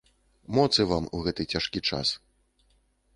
Моцы вам у гэты цяжкі час.